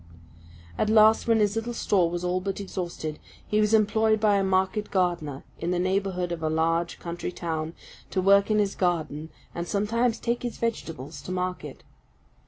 At last, when his little store was all but exhausted, he was employed by a market gardener, in the neighbourhood of a large country town, to work in his garden, and sometimes take his vegetables to market.